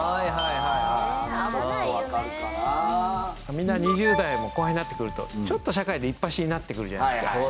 みんな２０代も後半になってくるとちょっと社会でいっぱしになってくるじゃないですか。